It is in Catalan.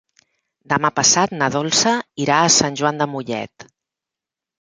Demà passat na Dolça irà a Sant Joan de Mollet.